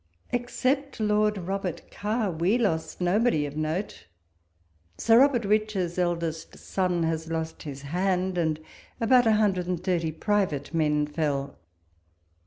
Except Lord Robert Kerr, we lost nobody of note : Sir Robert Rich's eldest son has lost his hand, and about a hundred and thirty private men fell.